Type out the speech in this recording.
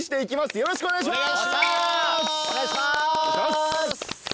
よろしくお願いします。